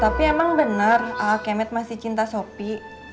tapi emang bener kemet masih cinta sopi